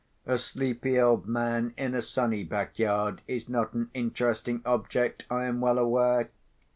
A sleepy old man, in a sunny back yard, is not an interesting object, I am well aware.